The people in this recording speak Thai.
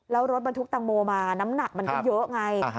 แล้วรถบรรทุกตังโมมาน้ำหนักมันก็เยอะไง